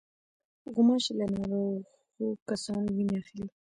غوماشې له ناروغو کسانو وینه اخلي.